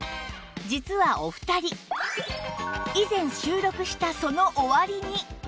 実はお二人以前収録したその終わりに